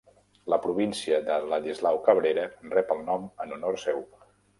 La província de Ladislao Cabrera rep el nom en honor seu.